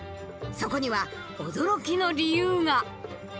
そこには驚きの理由が。